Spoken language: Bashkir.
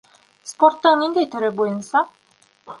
Спорттың ниндәй төрө буйынса?